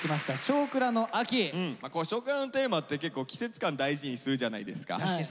「少クラ」のテーマって結構季節感大事にするじゃないですか。